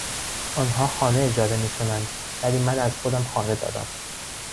آنها خانه اجاره میکنند ولی من از خودم خانه دارم.